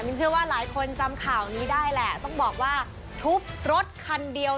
เชื่อว่าหลายคนจำข่าวนี้ได้แหละต้องบอกว่าทุบรถคันเดียว